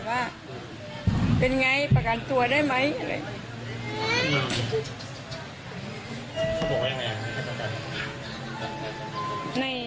แล้วแกก็ถามว่าเป็นไงประกันตัวได้ไหม